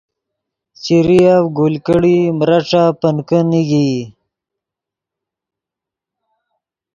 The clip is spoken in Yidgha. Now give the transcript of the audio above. چیریف گل کڑیئی میرݯف پنکے نیگئی